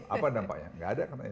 apa dampaknya nggak ada